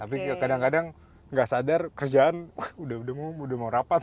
tapi kadang kadang gak sadar kerjaan udah mau rapat